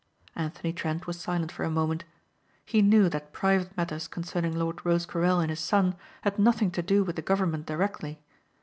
Anthony Trent was silent for a moment. He knew that private matters concerning Lord Rosecarrel and his son had nothing to do with the government directly.